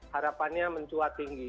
harapannya mencuat tinggi